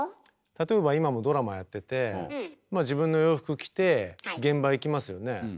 例えば今もドラマやっててまあ自分の洋服着て現場行きますよね。